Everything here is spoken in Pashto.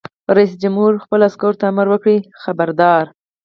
رئیس جمهور خپلو عسکرو ته امر وکړ؛ خبردار!